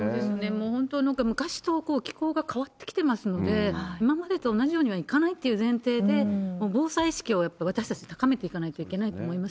もう本当、なんか昔と気候が変わってきてますので、今までと同じようにはいかないという前提で、防災意識を、私たち高めていかないといけないと思います。